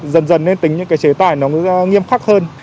dần dần nên tính những cái chế tài nó mới nghiêm khắc hơn